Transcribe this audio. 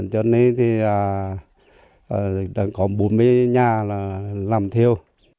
cho nên thì có bốn mươi nhà là làm theo